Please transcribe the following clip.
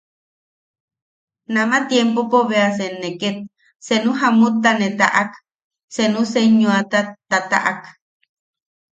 Nama tiempopo beasan ne ket senu jamutta ne tataʼak, senu senyoata tataʼak.